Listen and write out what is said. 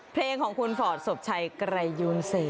เพลงของคุณฟอร์ดสบชัยกระยูนเสียง